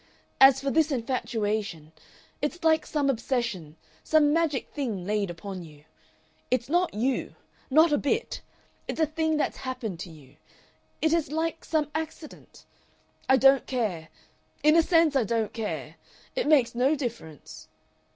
As for this infatuation it's like some obsession, some magic thing laid upon you. It's not you not a bit. It's a thing that's happened to you. It is like some accident. I don't care. In a sense I don't care. It makes no difference....